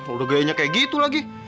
udah gayanya kayak gitu lagi